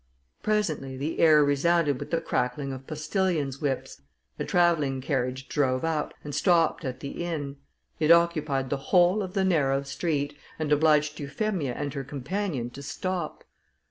Presently the air resounded with the cracking of postilions' whips; a travelling carriage drove up, and stopped at the inn: it occupied the whole of the narrow street, and obliged Euphemia and her companion to stop.